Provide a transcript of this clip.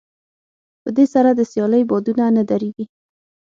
په دې سره د سيالۍ بادونه نه درېږي.